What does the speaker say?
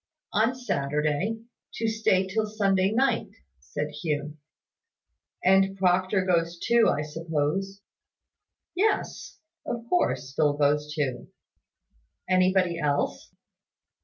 "On Saturday, to stay till Sunday night," said Hugh. "And Proctor goes too, I suppose?" "Yes; of course, Phil goes too." "Anybody else?"